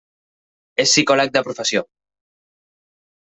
És psicòleg de professió.